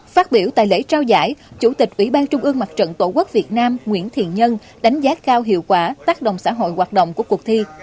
phát biểu tại lễ trao giải chủ tịch ủy ban trung ương mặt trận tổ quốc việt nam nguyễn thiện nhân đánh giá cao hiệu quả tác động xã hội hoạt động của cuộc thi